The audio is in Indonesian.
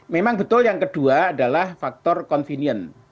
memang betul yang kedua adalah faktor convenient